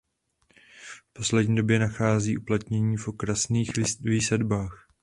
V poslední době nachází uplatnění i v okrasných výsadbách.